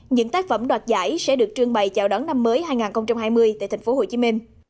những tác phẩm đoạt giải sẽ được trương bày chào đón năm mới hai nghìn hai mươi tại tp hcm